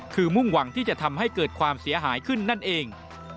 คือมุ่งหวังที่จะทำให้เกิดความเสียหายขึ้นนั่นเอง